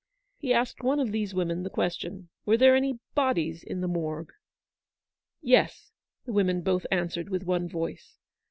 He asked one of these women the question, Were there any bodies in the Morgue ? Yes, — the women both answered with one voice.